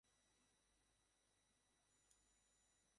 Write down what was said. এই উদ্ভট আলোচনা বাদ দাও।